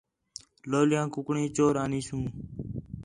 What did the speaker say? لَولیاں کُکڑیں چور آ نی سوں